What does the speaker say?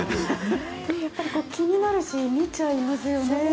気になるし見ちゃいますよね。